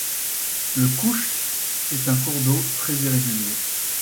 Le Kouchk est un cours d'eau très irrégulier.